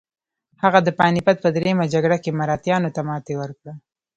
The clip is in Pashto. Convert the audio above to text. هغه د پاني پت په دریمه جګړه کې مراتیانو ته ماتې ورکړه.